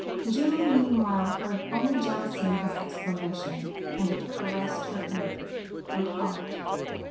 Julie, meanwhile, heard only jealousy in his exclamation, and it caressed her ear, her heart.